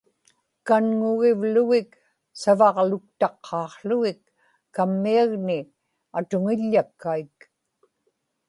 kanŋugivlugik savaġluktaqqaaqługik kammiagni atuŋiḷḷakkaik